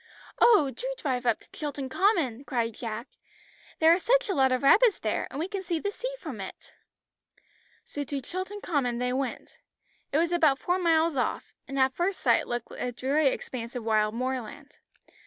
"Oh, do drive up to Chilton Common," cried Jack; "there are such a lot of rabbits there, and we can see the sea from it." So to Chilton Common they went. It was about four miles off, and at first sight looked a dreary expanse of wild moorland.